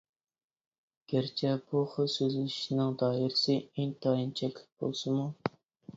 گەرچە بۇ خىل سۆزلىشىشنىڭ دائىرىسى ئىنتايىن چەكلىك بولسىمۇ.